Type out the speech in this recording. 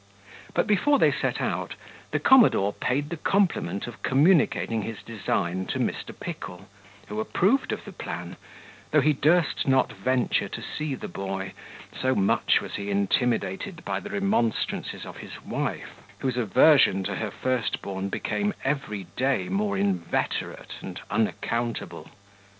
But, before they set out, the commodore paid the compliment of communicating his design to Mr. Pickle, who approved of the plan, though he durst not venture to see the boy; so much was he intimidated by the remonstrances of his wife, whose aversion to her first born became every day more inveterate and unaccountable.